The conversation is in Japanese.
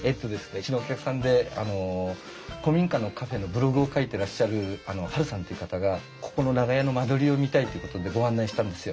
うちのお客さんで古民家のカフェのブログを書いてらっしゃるハルさんっていう方がここの長屋の間取りを見たいということでご案内したんですよ。